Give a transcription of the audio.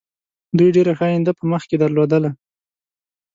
دوی ډېره ښه آینده په مخکې درلودله.